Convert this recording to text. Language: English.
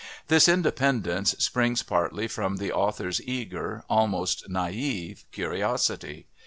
This independence springs partly from the author's eager, almost naïve curiosity.